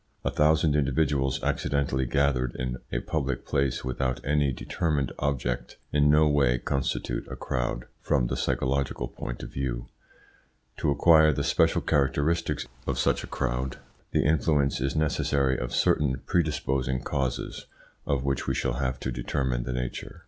A thousand individuals accidentally gathered in a public place without any determined object in no way constitute a crowd from the psychological point of view. To acquire the special characteristics of such a crowd, the influence is necessary of certain predisposing causes of which we shall have to determine the nature.